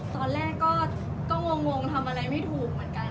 ตอนแรกก็งงทำอะไรไม่ถูกเหมือนกัน